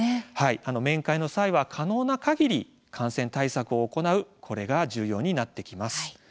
面会の際は可能なかぎり感染対策を行うこれが重要になってきます。